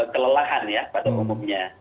kelelahan ya pada umumnya